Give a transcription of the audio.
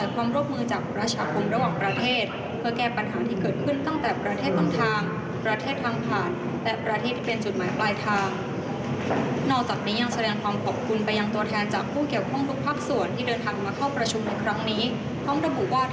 การประชุมว่าด้วยการโยกย้ายถิ่นฐานแบบไม่ปกติในมหาสมุทรอินเดียครั้งที่๒เริ่มเปิดฉากแล้ว